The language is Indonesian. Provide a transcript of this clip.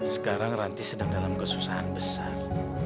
sekarang ranti sedang dalam kesusahan besar